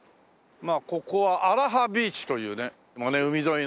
まあここはアラハビーチというね海沿いのいいビーチで。